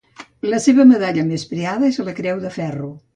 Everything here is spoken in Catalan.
La seva medalla més preada és la Creu de Ferro.